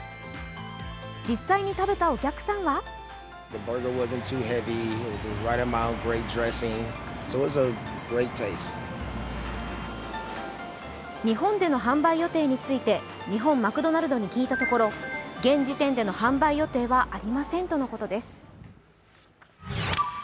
実際に食べたお客さんは日本での販売予定について日本マクドナルドに聞いたところ現時点での販売予定はありませんとのことです。